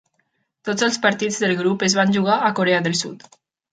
Tots els partits del grup es van jugar a Corea del Sud.